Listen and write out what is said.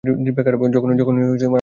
যখনই আপনারা সময় পাবেন।